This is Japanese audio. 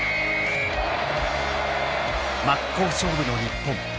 真っ向勝負の日本。